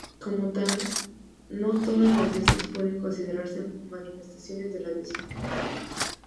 Como tal, no todas las diosas pueden considerarse manifestaciones de la diosa madre.